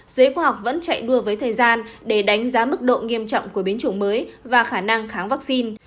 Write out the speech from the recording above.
giới khoa học vẫn chạy đua với thời gian để đánh giá mức độ nghiêm trọng của biến chủng mới và khả năng kháng vaccine